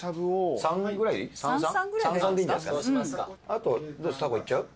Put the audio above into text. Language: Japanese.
あとタコいっちゃう？